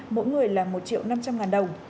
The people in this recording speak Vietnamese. mỗi người là một triệu năm trăm linh ngàn đồng